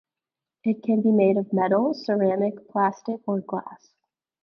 It can be made of metal, ceramic, plastic, or glass.